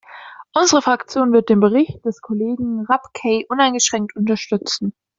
Unsere Fraktion wird den Bericht des Kollegen Rapkay uneingeschränkt unterstützen.